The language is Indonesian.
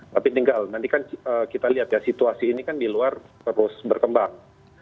tapi tinggal nanti kan kita lihat ya situasi ini kan di luar terus berkembang